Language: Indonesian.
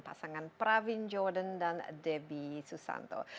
pasangan pravin jordan dan debbie susanto